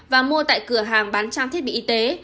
và mua tại cửa hàng bán trang thiết bị y tế